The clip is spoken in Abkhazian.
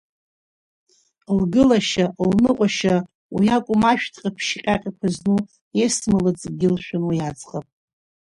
Лгылашьа, лныҟәашьа, уиакәым, ашәҭ ҟаԥшьы ҟьаҟьақәа зну Есма лыҵкгьы лшәын уи аӡӷаб.